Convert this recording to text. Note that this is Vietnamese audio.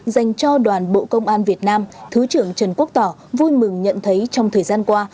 dành cho đoàn bộ công an việt nam thứ trưởng trần quốc tỏ vui mừng nhận thấy trong thời gian qua